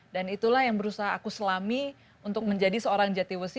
dan itulah yang berusaha aku selami untuk menjadi seorang jatiwesi